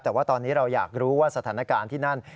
แต่ว่าตอนนี้เราอยากรู้ว่าสถานการณ์ที่นั่น